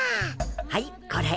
はいこれ。